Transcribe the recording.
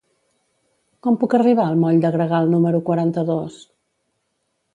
Com puc arribar al moll de Gregal número quaranta-dos?